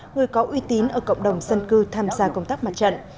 người có uy tín ở cộng đồng dân cư tham gia công tác mặt trận